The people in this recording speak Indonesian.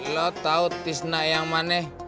lo tahu tisna yang mana